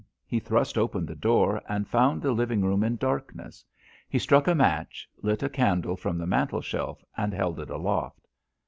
He thrust open the door and found the living room in darkness; he struck a match, lit a candle from the mantelshelf, and held it aloft.